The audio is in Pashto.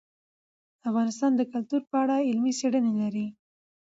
افغانستان د کلتور په اړه علمي څېړنې لري.